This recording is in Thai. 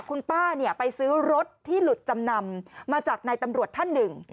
คุณป้าไปซื้อรถที่หลุดจำนำมาจากนายตำรวจท่านหนึ่ง